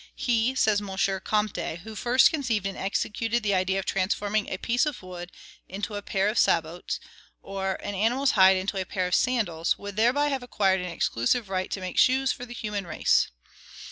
"He," says M. Comte, "who first conceived and executed the idea of transforming a piece of wood into a pair of sabots, or an animal's hide into a pair of sandals, would thereby have acquired an exclusive right to make shoes for the human race!"